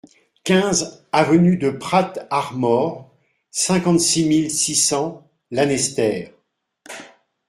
quinze avenue de Prat Ar Mor, cinquante-six mille six cents Lanester